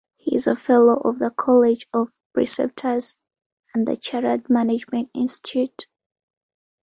He is a Fellow of the College of Preceptors and the Chartered Management Institute.